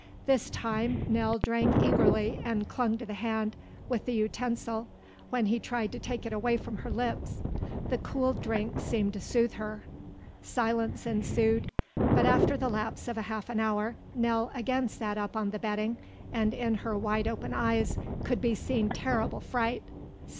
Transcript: This time Nell drank eagerly and clung to the hand with the utensil when he tried to take it away from her lips. The cool drink seemed to soothe her. Silence ensued. But after the lapse of half an hour Nell again sat up on the bedding and in her wide open eyes could be seen terrible fright.